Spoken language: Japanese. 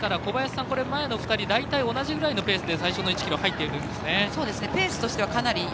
ですから、前の２人大体同じくらいのペースで最初の１ｋｍ入ってるんですね。